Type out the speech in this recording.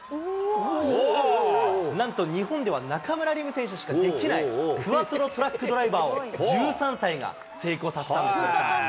なんと日本では中村輪夢選手しかできない、クワトロトラックドライバーを１３歳が成功させたんです。